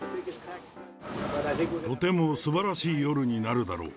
とてもすばらしい夜になるだろう。